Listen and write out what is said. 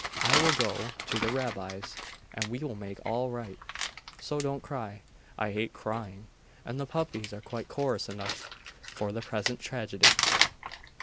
I will go to the Rabbis, and we will make all right; so don't cry. I hate crying; and the puppies are quite chorus enough for the present tragedy.